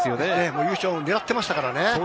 優勝を狙ってましたからね。